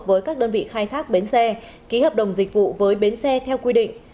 với các đơn vị khai thác bến xe ký hợp đồng dịch vụ với bến xe theo quy định